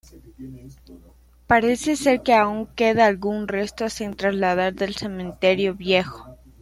Parece ser que aún queda algún resto sin trasladar del cementerio viejo.